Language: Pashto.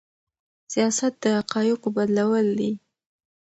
سياست د حقايقو بدلول دي.